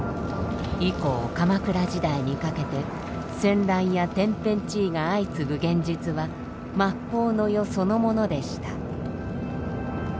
以降鎌倉時代にかけて戦乱や天変地異が相次ぐ現実は末法の世そのものでした。